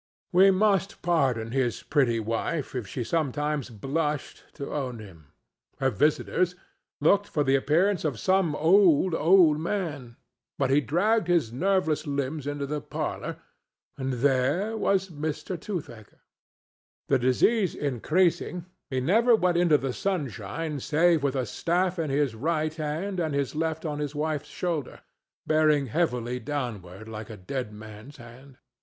We must pardon his pretty wife if she sometimes blushed to own him. Her visitors, when they heard him coming, looked for the appearance of some old, old man, but he dragged his nerveless limbs into the parlor—and there was Mr. Toothaker! The disease increasing, he never went into the sunshine save with a staff in his right hand and his left on his wife's shoulder, bearing heavily downward like a dead man's hand.